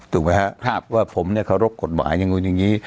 ถูกไหมครับว่าผมเนี่ยเคารพกฎหมายอย่างนู้นอย่างนี้